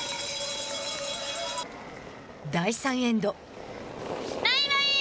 第３エンド。